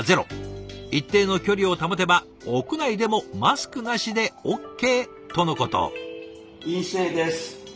一定の距離を保てば屋内でもマスクなしでＯＫとのこと。